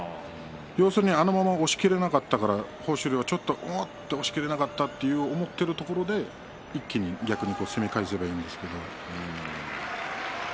要するに、あのまま押しきれなかったから豊昇龍は押しきれなかったと思っていたところで一気に攻め返せばいいんですけれども。